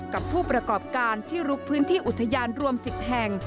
กับผู้ประกอบการที่ลุกพื้นที่อุทยานรวม๑๐แห่ง